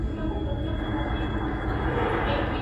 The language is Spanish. La ciudad, muy malograda y decaída, quedó en poder de Roma.